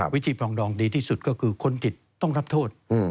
วิธีปรองดองดีที่สุดก็คือคนผิดต้องรับโทษ